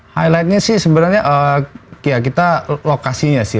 highlightnya sih sebenarnya ya kita lokasinya sih